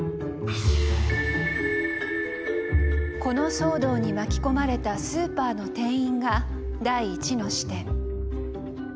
この騒動に巻き込まれたスーパーの店員が第１の視点。